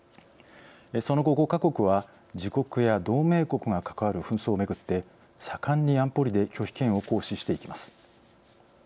その後５か国は自国や同盟国が関わる紛争をめぐって盛んに安保理で拒否権を行使していきます。